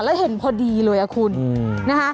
แล้วเห็นพอดีเลยอ่ะคุณนะคะ